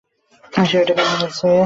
সেও এটা মেনেছে।